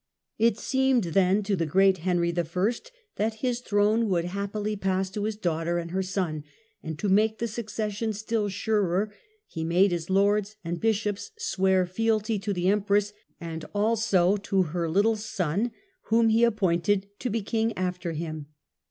It seemed then to the great Henry I. that his throne would happily pass to his daughter and her son; and to make the succession still surer, he made his lords and bishops swear fealty to the empress, and "also to her little son, whom he appointed to be king after him".